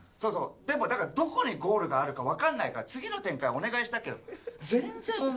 でもだからどこにゴールがあるかわかんないから次の展開お願いしたけど。